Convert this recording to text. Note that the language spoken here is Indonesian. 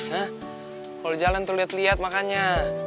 kalau jalan tuh liat liat makanya